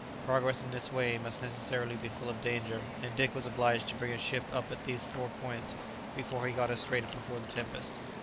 Progress in this way must necessarily be full of danger, and Dick was obliged to bring his ship up at least four points before he got her straight before the tempest.